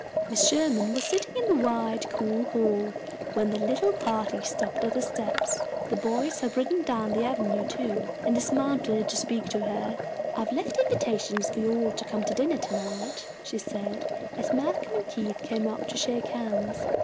Mrs. Sherman was sitting in the wide, cool hall when the little party stopped at the steps. The boys had ridden down the avenue, too, and dismounted to speak to her. "I have left invitations for you all to come to dinner to night," she said, as Malcolm and Keith came up to shake hands.